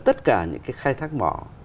tất cả những cái khai thác mỏ